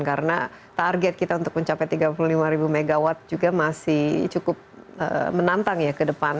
karena target kita untuk mencapai tiga puluh lima mw juga masih cukup menantang ya ke depan